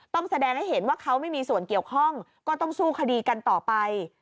ต้องแสดงให้เห็นว่าเขาไม่มีส่วนเกี่ยวข้องก็ต้องสู้คดีกันต่อไป